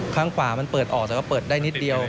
ข้างขวามันเปิดออกแต่ว่าเปิดได้นิดเดียว